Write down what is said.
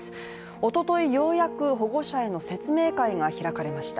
おととい、ようやく保護者への説明会が開かれました。